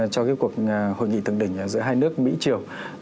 cho cuộc hội nghị thượng đỉnh giữa hai nước mỹ triều